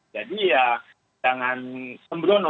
jadi ya jangan sembrono